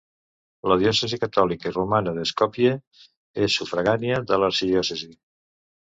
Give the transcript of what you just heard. La diòcesi catòlica i romana de Skopje és sufragània de l'arxidiòcesi.